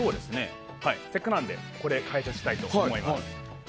せっかくなので解説したいと思います。